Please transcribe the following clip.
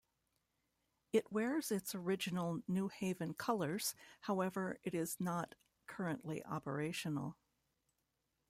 It wears its original New Haven colors, however it is not currently operational.